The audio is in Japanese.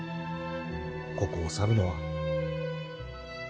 ここを去るのは。